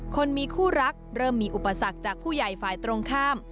คนมีคู่รักเริ่มมีอุปสรรคจากผู้ใหญ่ฝ่ายตรงข้าม